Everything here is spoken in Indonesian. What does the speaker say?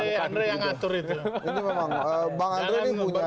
ini memang bang andre ini punya